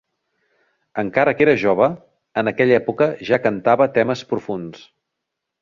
Encara que era jove, en aquella època ja cantava temes profunds.